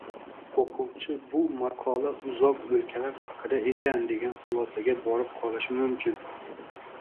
o‘quvchi «bu maqola uzoq o‘lkalar haqida ekan» degan xulosaga borib qolishi mumkin.